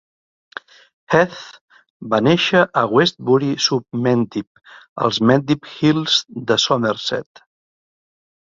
Heath va néixer a Westbury-sub-Mendip als Mendip Hills de Somerset.